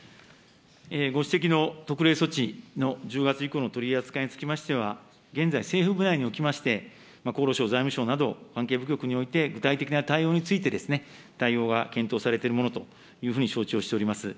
ご指摘の特例措置の１０月以降の取り扱いにつきましては、現在、政府部内におきまして、厚労省、財務省など、関係部局において具体的な対応について対応が検討されているものというふうに承知をしております。